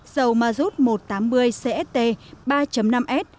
dầu mazut một trăm tám mươi cst ba năm s